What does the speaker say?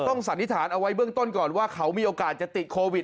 สันนิษฐานเอาไว้เบื้องต้นก่อนว่าเขามีโอกาสจะติดโควิด